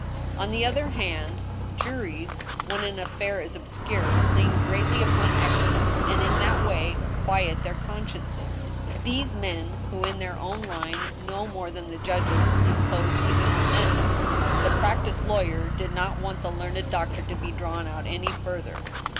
On the other hand, juries, when an affair is obscure, lean greatly upon experts, and in that way quiet their consciences. These men who, in their own line, know more than the judges, impose even on them. The practiced lawyer did not want the learned doctor to be drawn out any further.